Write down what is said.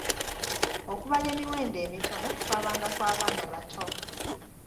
Okubala emiwendo emitono kwabanga kwa baana bato.